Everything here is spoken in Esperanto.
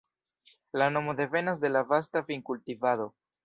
La nomo devenas de la vasta vin-kultivado.